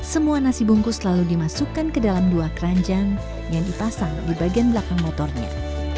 semua nasi bungkus lalu dimasukkan ke dalam dua keranjang yang dipasang di bagian belakang motornya